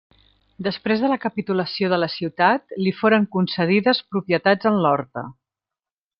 Després de la capitulació de la ciutat li foren concedides propietats en l'horta.